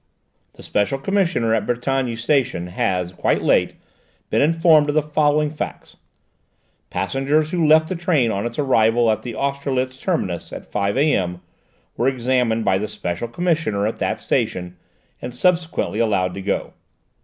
"The special commissioner at Brétigny station has, quite late, been informed of the following facts: passengers who left the train on its arrival at the Austerlitz terminus at 5 A.M. were examined by the special commissioner at that station, and subsequently allowed to go.